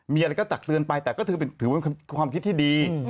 มีอะไรก็ตักเตือนไปแต่ก็ถือว่าเป็นความคิดที่ดี